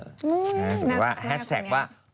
หรือว่าแฮสแท็กว่า